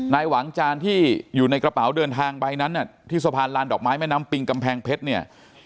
หวังจานที่อยู่ในกระเป๋าเดินทางใบนั้นที่สะพานลานดอกไม้แม่น้ำปิงกำแพงเพชรเนี่ย